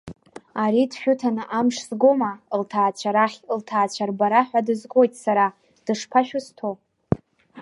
Ари дшәыҭаны, амш згома, лҭаацәа рахь, лҭаацәа рбара ҳәа дызгоит сара, дышԥашәысҭо?